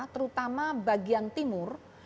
terutama bagian timur